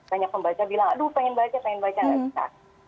banyak pembaca bilang aduh ingin baca ingin baca tidak bisa